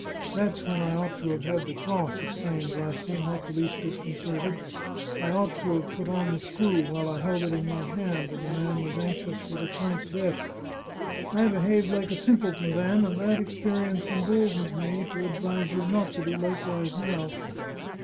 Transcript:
" That's when I ought to have had the cross," exclaimed Rassi, not the least disconcerted. " I ought to have put on the screw while I held it in my hand, and the man was anxious for the count's death. I behaved like a simpleton then, and that experience emboldens me to advise you not to do likewise now."